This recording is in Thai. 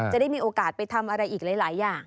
จะได้มีโอกาสไปทำอะไรอีกหลายอย่าง